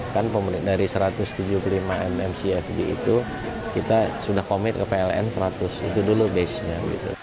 kan dari satu ratus tujuh puluh lima mmcfd itu kita sudah komit ke pln seratus itu dulu base nya